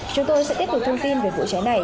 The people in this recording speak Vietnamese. chúng tôi sẽ tiếp tục thông tin về vụ cháy này